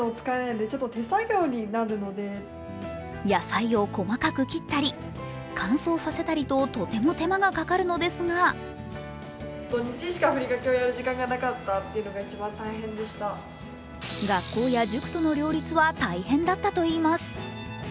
野菜を細かく切ったり乾燥させたりととても手間がかかるのですが学校や塾との両立は大変だったといいます。